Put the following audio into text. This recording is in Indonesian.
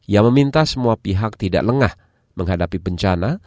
yang meminta semua pihak tidak lengah menghadapi bencana